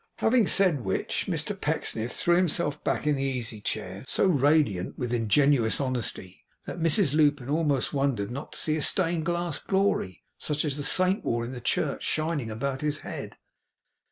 Having said which, Mr Pecksniff threw himself back in the easy chair; so radiant with ingenuous honesty, that Mrs Lupin almost wondered not to see a stained glass Glory, such as the Saint wore in the church, shining about his head.